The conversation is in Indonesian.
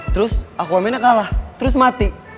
terus aquamannya kalah terus mati